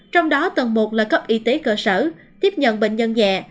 trong đó tầng một là cấp y tế cơ sở tiếp nhận bệnh nhân nhẹ